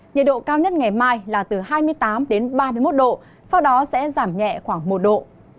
nhiệt độ cao nhất ngày mai là từ hai mươi tám đến ba mươi một độ sau đó sẽ giảm nhẹ khoảng một độ